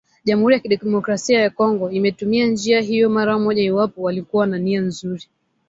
jamhuri ya kidemokrasia ya Kongo ingetumia njia hiyo mara moja iwapo walikuwa na nia nzuri